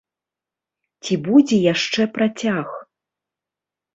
Ці будзе яшчэ працяг?